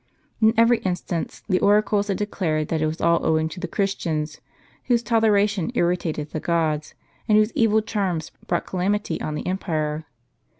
In every instance, the oracles had declared, that it was all owing to the Christians, whose toleration irritated the gods, and whose evil charms brought calamity on the empire.